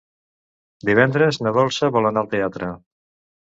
Divendres na Dolça vol anar al teatre.